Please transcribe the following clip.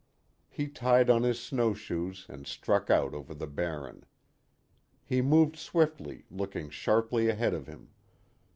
He tied on his snow shoes and struck out over the Barren. He moved swiftly, looking sharply ahead of him.